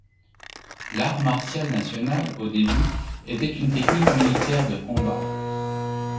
L’art martial national, au début, était une technique militaire de combat.